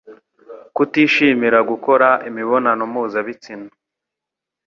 kutishimira gukora imibonano muza bitsina